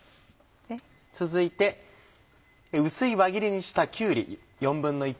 続いて薄い輪切りにしたきゅうり。